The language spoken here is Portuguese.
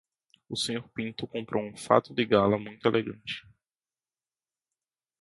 O Sr. Pinto comprou um fato de gala muito elegante.